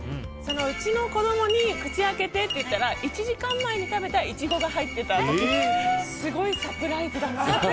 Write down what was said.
うちの子供に口開けてって言ったら１時間前に食べたイチゴが入ってた時すごいサプライズだなって。